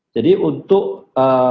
jadi untuk pergerakan dari kinerja